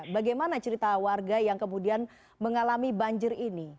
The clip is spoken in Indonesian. bagaimana cerita warga yang kemudian mengalami banjir ini